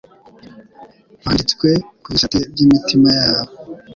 kwanditswe ku bisate by'imitima yabo.